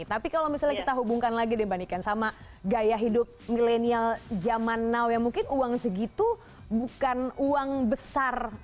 tapi kalau misalnya kita hubungkan lagi deh bandikan sama gaya hidup millennial zaman now ya mungkin uang segitu bukan uang besar lagi bagi mereka